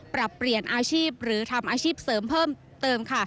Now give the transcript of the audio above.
ปรับเปลี่ยนอาชีพหรือทำอาชีพเสริมเพิ่มเติมค่ะ